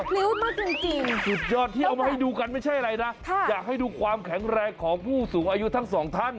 พริ้วมากจริงสุดยอดที่เอามาให้ดูกันไม่ใช่อะไรนะอยากให้ดูความแข็งแรงของผู้สูงอายุทั้งสองท่าน